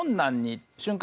瞬間